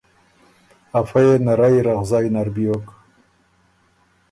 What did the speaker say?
افۀ يې نرئ رغزئ نر بیوک